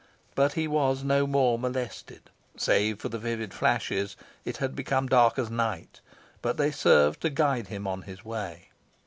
But he was no more molested. Save for the vivid flashes, it had become dark as night, but they served to guide him on his way.